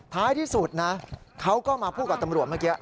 ท้ายที่สุดนะเขาก็มาพูดกับตำรวจเมื่อกี้